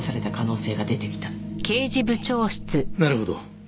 なるほど。